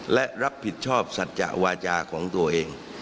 และรับผิดชอบสัจจะวาจาของตัวเอง